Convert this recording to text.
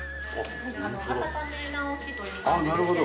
・はい温め直しという感じですけど。